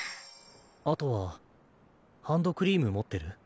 あとはハンドクリーム持ってる？